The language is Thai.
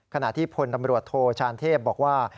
ขณะที่พลตำรวจโทชานเทพบอกว่า